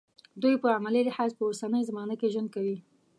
دوی په عملي لحاظ په اوسنۍ زمانه کې ژوند کوي.